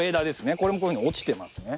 これもこういうふうに落ちてますね。